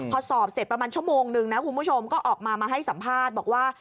พอสอบเสร็จประมาณชั่วโมงนึงนะคุณผู้ชมก็ออกมามาให้สัมภาษณ์บอกว่า